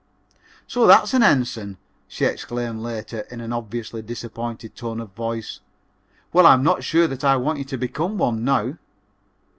"So that's an Ensign!" she exclaimed later in an obviously disappointed tone of voice; "well, I'm not so sure that I want you to become one now."